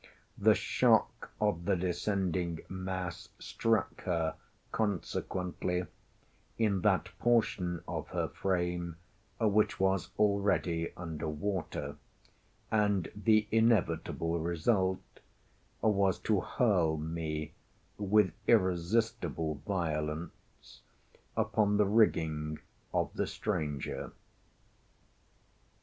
The shock of the descending mass struck her, consequently, in that portion of her frame which was already under water, and the inevitable result was to hurl me, with irresistible violence, upon the rigging of the stranger.